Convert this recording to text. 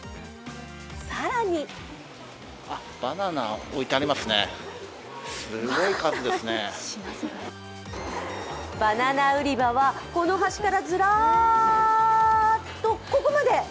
更にバナナ売り場はこの端からずらーっとここまで。